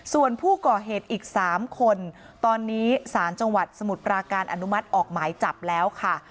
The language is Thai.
ส่วนผู้ก่อเหตุอีก๓คนตอนนี้สารจังหวัดสมุทรปราการอนุมัติออกหมายจับแล้วค่ะ